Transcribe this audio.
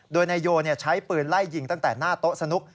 โดยนายโยใช้ปืนไล่ยิงตั้งแต่หน้าโต๊ะสนุก